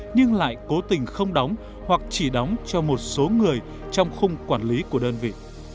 nhưng lại cố tình không đóng hoặc chỉ đóng cho một số người trong khung quản lý của đơn vị